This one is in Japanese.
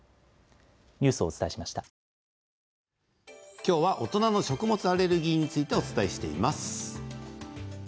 今日は大人の食物アレルギーについてお伝えしています。